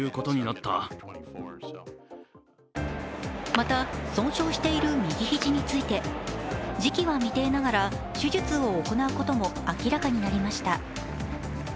また損傷している右肘について時期は未定ながら手術を行うことも明らかになりました。